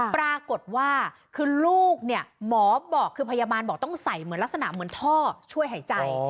ปรากฏว่าคือลูกเนี่ยหมอบอกคือพยาบาลบอกต้องใส่เหมือนลักษณะเหมือนท่อช่วยหายใจ